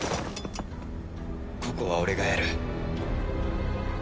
ここは俺がやる。